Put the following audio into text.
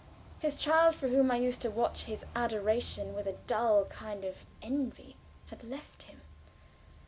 His child, for whom I used to watch his adoration with a dull kind of envy, had left him.